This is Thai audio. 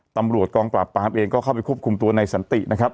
ตำรวจกองปราบปรามเองก็เข้าไปควบคุมตัวในสันตินะครับ